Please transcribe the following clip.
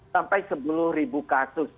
sampai sepuluh kasus